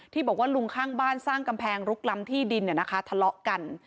ที่บอกว่าลุงข้างบ้านสร้างกำแพงรุกรำที่ดินเนี่ยนะคะทะเลาะกัน